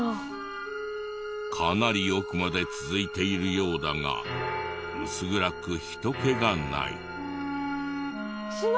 かなり奥まで続いているようだが薄暗く人けがない。